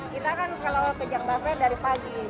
kita kan kalau ke jakarta dari pagi